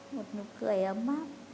một nụ cười ấm áp